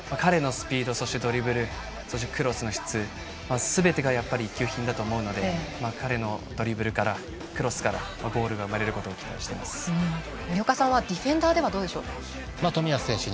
彼のスピードそしてドリブルそしてクロスの質すべてがやっぱり一級品だと思うので、彼のドリブルからクロスがゴールが生まれることを森岡さんはディフェンダーではどうでしょう。